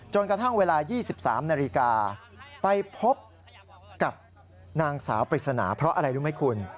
กระทั่งเวลา๒๓นาฬิกาไปพบกับนางสาวปริศนาเพราะอะไรรู้ไหมคุณ